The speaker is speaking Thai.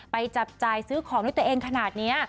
จับจ่ายซื้อของด้วยตัวเองขนาดนี้